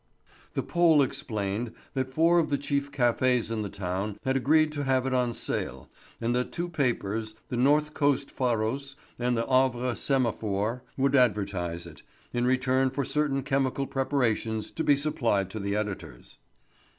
The Pole explained that four of the chief cafés in the town had agreed to have it on sale, and that two papers, the Northcoast Pharos and the Havre Semaphore, would advertise it, in return for certain chemical preparations to be supplied to the editors.